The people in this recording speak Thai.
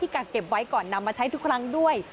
กักเก็บไว้ก่อนนำมาใช้ทุกครั้งด้วย